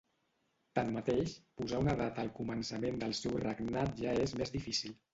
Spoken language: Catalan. Tanmateix, posar una data al començament del seu regnat ja és més difícil.